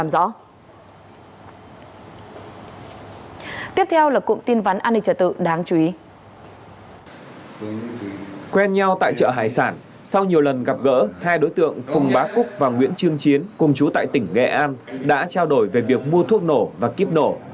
sau nhiều lần gặp gỡ hai đối tượng phùng bá cúc và nguyễn trương chiến cùng chú tại tỉnh nghệ an đã trao đổi về việc mua thuốc nổ và kíp nổ